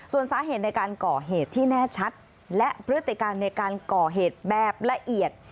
ส่วนสาเหตุในการก่อเหตุที่แน่ชัดและพฤติการในการก่อเหตุแบบละเอียด